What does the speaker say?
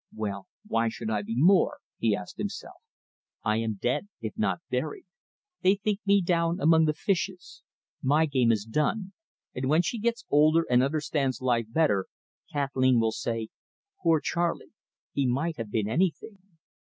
"Well, why should I be more?" he asked himself. "I am dead, if not buried. They think me down among the fishes. My game is done; and when she gets older and understands life better, Kathleen will say, 'Poor Charley he might have been anything!